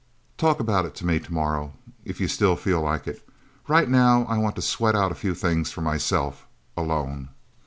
Talk about it to me tomorrow, if you still feel like it. Right now I want to sweat out a few things for myself alone."